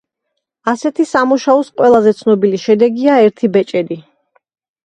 ასეთი სამუშაოს ყველაზე ცნობილი შედეგია ერთი ბეჭედი.